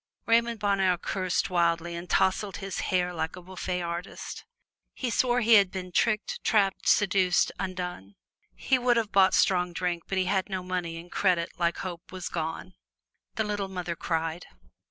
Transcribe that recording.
Raymond Bonheur cursed wildly and tousled his hair like a bouffe artist. He swore he had been tricked, trapped, seduced, undone. He would have bought strong drink, but he had no money, and credit, like hope, was gone. The little mother cried.